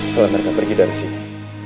kalau mereka pergi dari sini